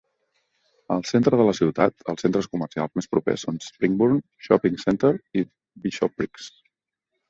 Al centre de la ciutat, els centres comercials més propers són Springburn Shopping Centre i Bishopbriggs.